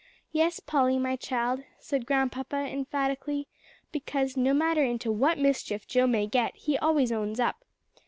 "Yes, Polly, my child," said Grandpapa emphatically, "because, no matter into what mischief Joe may get, he always owns up.